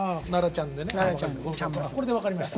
これで分かりました。